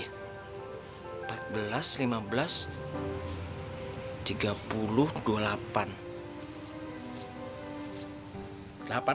atau berapa tadi ya